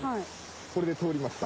これで通りました。